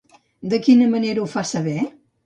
De quina manera ho fa saber?